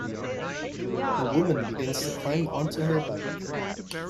A woman begins to climb onto her bike.